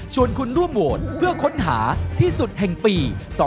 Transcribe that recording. คุณร่วมโหวตเพื่อค้นหาที่สุดแห่งปี๒๕๖